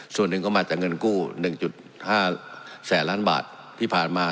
ส่วนหนึ่งก็มาจากเงินกู้๑๕แสนล้านบาทที่ผ่านมา